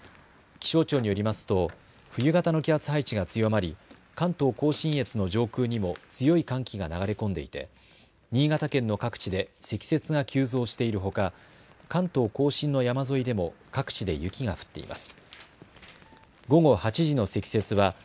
気象庁によりますと冬型の気圧配置が強まり関東甲信越の上空にも強い寒気が流れ込んでいて新潟県の各地で積雪が急増しているほか関東甲信の山沿いでも各地で雪が降っています。